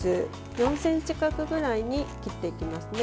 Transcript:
４ｃｍ角くらいに切っていきますね。